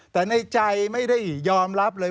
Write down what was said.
แต่ในใจไม่ได้ยอมรับเลย